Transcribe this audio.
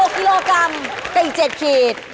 ๖กิโลกรัมแต่อีก๗ขีด